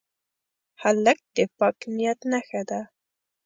هلک د پاک نیت نښه ده.